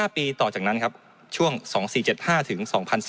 ปีต่อจากนั้นครับช่วง๒๔๗๕ถึง๒๔๙